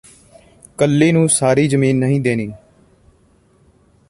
ਕੱਲੀ ਨੂੰ ਸਾਰੀ ਜ਼ਮੀਨ ਨਹੀਂ ਦੇਣੀ